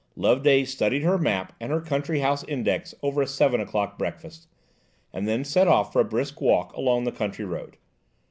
Loveday studied her map and her country house index over a seven o'clock breakfast, and then set off for a brisk walk along the country road.